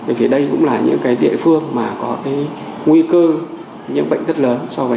sân bay quốc tế vì đây cũng là những cái địa phương mà có cái nguy cơ những bệnh rất lớn so với